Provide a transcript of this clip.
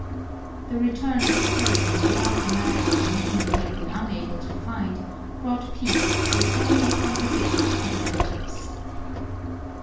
The return of the servants without the madwoman, whom they had been unable to find, brought peace by turning the conversation to other matters.